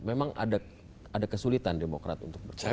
memang ada kesulitan demokrat untuk bertemu